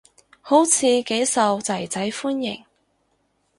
好似幾受囝仔歡迎